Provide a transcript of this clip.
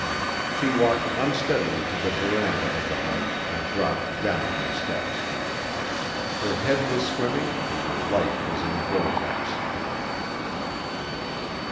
She walked unsteadily to the veranda of the house and dropped down on the steps. Her head was swimming and her life was in a vortex.